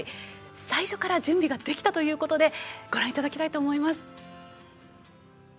最初から準備ができたということでご覧いただきたいと思います。